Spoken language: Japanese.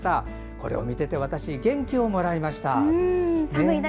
これを見て元気をもらいました。